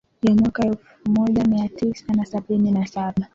ya mwaka elfu moja mia tisa na sabini na saba